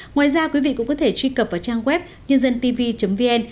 ngoài ra quý vị cũng có thể truy cập vào trang web nhândântv vn